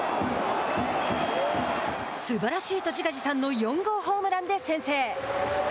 すばらしいと自画自賛の４号ホームランで先制。